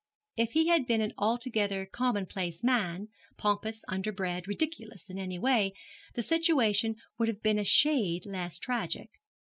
If he had been an altogether commonplace man pompous, underbred, ridiculous in any way the situation would have been a shade less tragic.